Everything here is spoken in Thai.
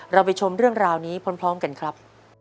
เราไปชมเรื่องราวนี้พร้อมกันครับ